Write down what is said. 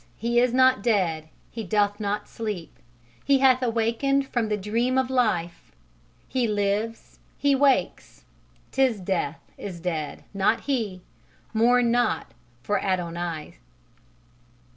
he is not dead, he doth not sleep He hath awakened from the dream of life He lives, he wakes 'Tis Death is dead, not he; Mourn not for Adonais."